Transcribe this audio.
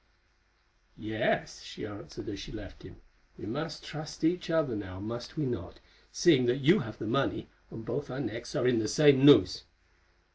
"Yes," she answered as she left him, "we must trust each other now—must we not?—seeing that you have the money, and both our necks are in the same noose.